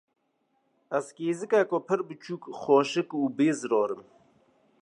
Ez kêzikeke pir biçûk, xweşik û bêzirar im.